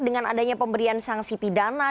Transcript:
dengan adanya pemberian sanksi pidana